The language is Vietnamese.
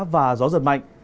và gió giật mạnh